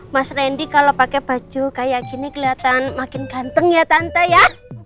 mas randy kalau pakai baju kayak gini kelihatan makin ganteng ya tante ya